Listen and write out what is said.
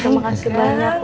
terima kasih banyak kok